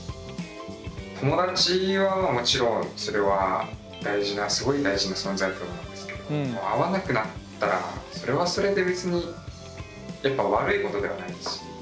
友達はもちろんそれは大事なすごい大事な存在だと思うんですけどもう合わなくなったらそれはそれで別にやっぱ悪いことではないし。